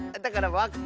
わっか。